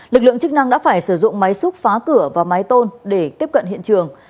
lực lượng chức năng đã phải sử dụng máy xúc phá cửa và mái tôn để tiếp cận hiện trường